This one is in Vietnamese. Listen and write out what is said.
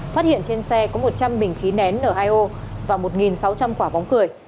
phát hiện trên xe có một trăm linh bình khí nén n hai o và một sáu trăm linh quả bóng cười